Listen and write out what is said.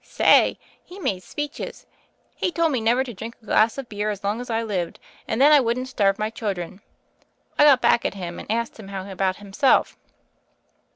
"Say I He made speeches. He told me never to drink a class of beer as long as I lived, and then I wouldn't starve my children. I got back at him, and asked him how about himself.